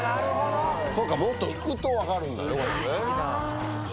そうかもっと引くと分かるんだねこれね。